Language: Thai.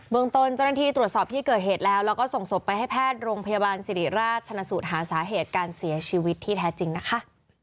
ตนเจ้าหน้าที่ตรวจสอบที่เกิดเหตุแล้วแล้วก็ส่งศพไปให้แพทย์โรงพยาบาลสิริราชชนะสูตรหาสาเหตุการเสียชีวิตที่แท้จริงนะคะ